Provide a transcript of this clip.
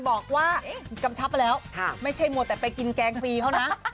บอกว่ากำชับมาแล้วไม่ใช่มัวแต่ไปกินแกงฟรีเขานะ